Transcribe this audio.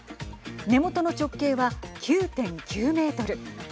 根元の直径は９．９メートル。